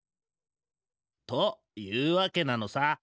というわけなのさ。